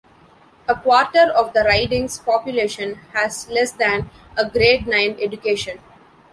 A quarter of the riding's population has less than a Grade Nine education.